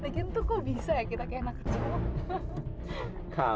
tapi itu kok bisa ya kita kayak anak cowok